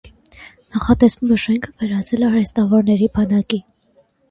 Նախատեսվում է շենքը վերածել արհեստավորների բակի։